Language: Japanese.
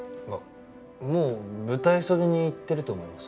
もう舞台袖に行ってると思います。